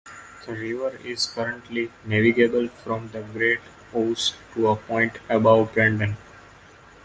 The river is currently navigable from the Great Ouse to a point above Brandon.